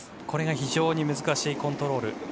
これが非常に難しいコントロール。